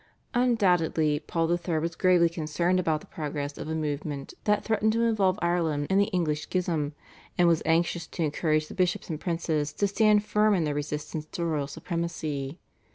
Undoubtedly Paul III. was gravely concerned about the progress of a movement that threatened to involve Ireland in the English schism, and was anxious to encourage the bishops and princes to stand firm in their resistance to royal supremacy.